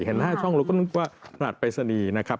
เห็นหน้าช่องเราก็นึกว่ารหัสไปรษณีย์นะครับ